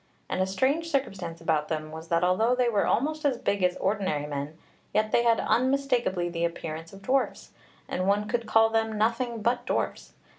And a strange circumstance about them was that although they were almost as big as ordinary men, yet they had unmistakably the appearance of dwarfs, and one could call them nothing but dwarfs.